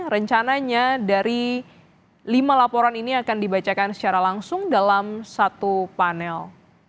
rencananya dari lima laporan ini akan dibacakan secara langsung dalam satu panel